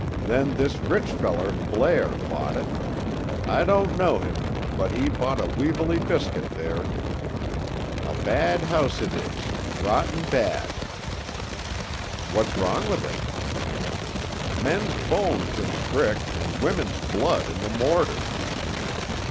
Then this rich feller, Blair, bought it. I don't know him; but he bought a weevilly biscuit, there. A bad house, it is—rotten bad!" "What's wrong with it?" "Men's bones in the brick and women's blood in the mortar."